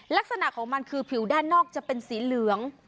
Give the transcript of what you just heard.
ลักษณะของมันคือผิวด้านนอกจะเป็นสีเหลือง